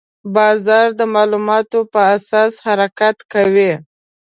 بازار د معلوماتو په اساس حرکت کوي.